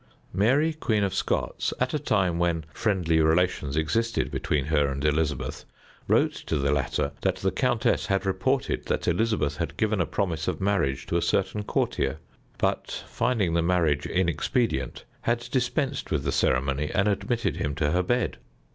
Mary, Queen of Scots, at a time when friendly relations existed between her and Elizabeth, wrote to the latter that the countess had reported that Elizabeth had given a promise of marriage to a certain courtier, but, finding the marriage inexpedient, had dispensed with the ceremony and admitted him to her bed.